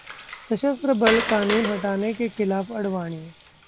सशस्त्र बल कानून हटाने के खिलाफ आडवाणी